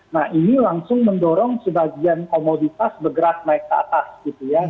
nah ini langsung mendorong sebagian komoditas bergerak naik ke atas gitu ya